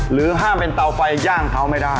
ห้ามเป็นเตาไฟย่างเขาไม่ได้